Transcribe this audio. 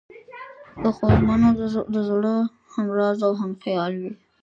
د خوږمنو د زړه همراز او همخیال وي.